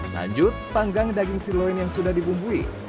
lanjut panggang daging siloin yang sudah dibumbui